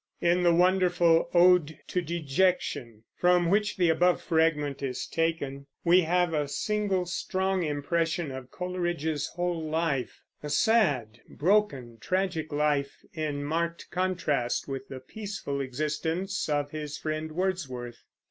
In the wonderful "Ode to Dejection," from which the above fragment is taken, we have a single strong impression of Coleridge's whole life, a sad, broken, tragic life, in marked contrast with the peaceful existence of his friend Wordsworth.